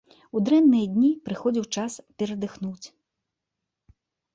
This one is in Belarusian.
У дрэнныя дні прыходзіў час перадыхнуць.